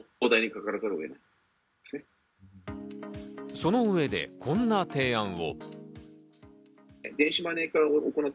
その上でこんな提案を。